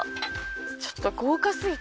ちょっと豪華すぎて。